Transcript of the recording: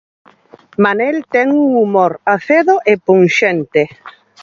Manel ten un humor acedo e punxente.